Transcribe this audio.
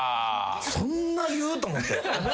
そんな言う？と思って。